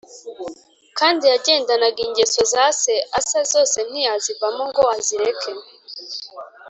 Kandi yagendanaga ingeso za se Asa zose ntiyazivamo ngo azireke